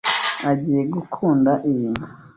Agiye gukunda ibi.